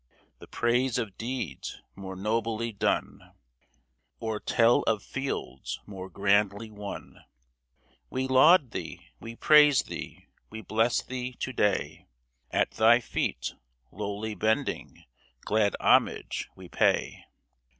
The praise of deeds more nobly done, Or tell of fields more grandly won ! We laud thee, we praise thee, we bless thee to day At thy feet, lowly bending, glad homage we pay